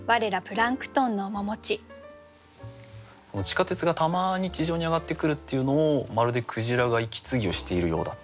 地下鉄がたまに地上に上がってくるっていうのをまるで鯨が息継ぎをしているようだっていう。